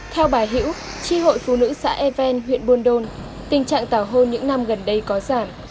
theo bà hữu tri hội phụ nữ xã e ven huyện buôn đôn tình trạng tào hôn những năm gần đây có giảm